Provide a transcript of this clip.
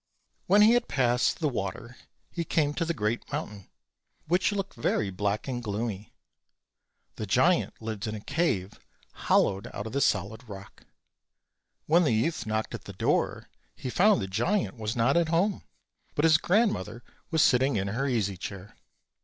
When he had passed the water he came to the great mountain, which looked very black and gloomy. The giant lived in a cave hollowed out of the solid rock. When the youth knocked at the door he found the giant was not at home, but his grandmother was sitting in her easy chair.